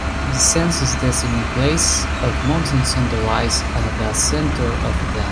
The census-designated place of Monson Center lies at the center of the town.